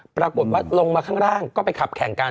ปรากฏว่าลงมาข้างล่างก็ไปขับแข่งกัน